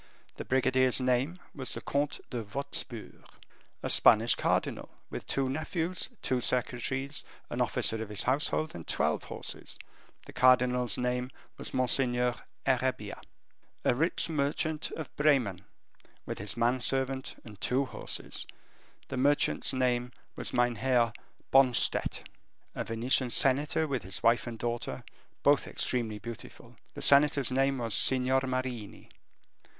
The brigadier's name was the Comte de Wostpur. A Spanish cardinal, with two nephews, two secretaries, an officer of his household, and twelve horses. The cardinal's name was Monseigneur Herrebia. A rich merchant of Bremen, with his man servant and two horses. This merchant's name was Meinheer Bonstett. A Venetian senator with his wife and daughter, both extremely beautiful. The senator's name was Signor Marini.